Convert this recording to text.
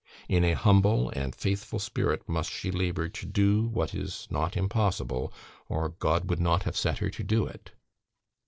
In an humble and faithful spirit must she labour to do what is not impossible, or God would not have set her to do it.